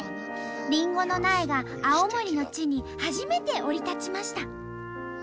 りんごの苗が青森の地に初めて降り立ちました。